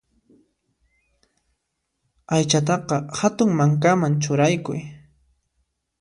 Aychataqa hatun mankaman churaykuy.